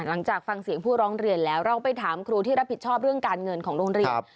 หลังจากฟังเสียงผู้ร้องเรียนแล้วเราไปถามครูที่รับผิดชอบเรื่องการเงินของโรงเรียน